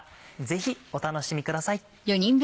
ぜひお楽しみください。